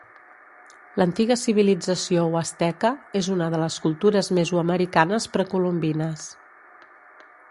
L'antiga civilització huasteca és una de les cultures mesoamericanes precolombines.